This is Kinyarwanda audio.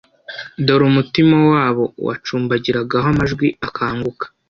dore umutima wabo wacumbagira aho amajwi akanguka